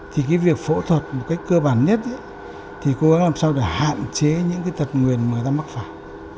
thì cái việc phẫu thuật một cách cơ bản nhất thì cố gắng làm sao để hạn chế những tật nguyền mà người ta mắc phải